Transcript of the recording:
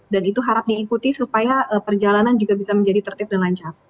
dan itu harap diikuti supaya perjalanan juga bisa menjadi tertib dan lancar